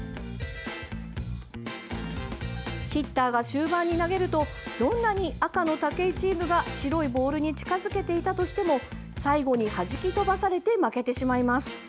ヒッターが終盤に投げるとどんなに赤の武井チームが白いボールに近づけていたとしても最後にはじき飛ばされて負けてしまいます。